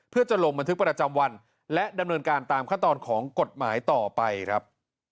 เพื่อจะลงบันทึกประจำวันและดำเนินการตามขั้นตอนของกฎหมายต่อไปครับ